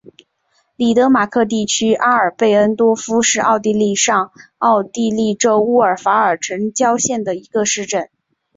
里德马克地区阿贝恩多夫是奥地利上奥地利州乌尔法尔城郊县的一个市镇。